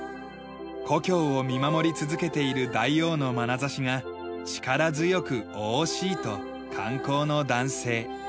故郷を見守り続けている大王のまなざしが力強く雄々しいと観光の男性。